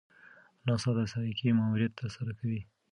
ناسا د سایکي ماموریت ترسره کوي.